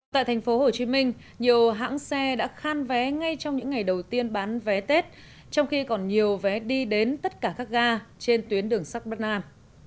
tại thành phố hồ chí minh nhiều hãng xe đã khan vé ngay trong những ngày đầu tiên bán vé tết trong khi còn nhiều vé đi đến tất cả các ga trên tuyến đường sắt bắc nam